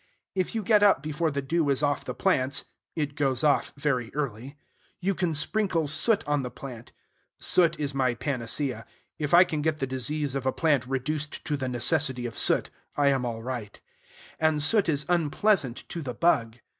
If you get up before the dew is off the plants, it goes off very early, you can sprinkle soot on the plant (soot is my panacea: if I can get the disease of a plant reduced to the necessity of soot, I am all right) and soot is unpleasant to the bug.